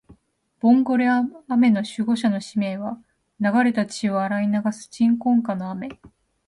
ボンゴレ雨の守護者の使命は、流れた血を洗い流す鎮魂歌の雨